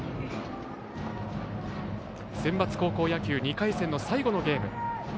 センバツ高校野球大会２回戦の最後のゲーム。